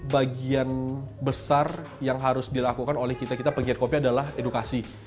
bagian besar yang harus dilakukan oleh kita kita pegiat kopi adalah edukasi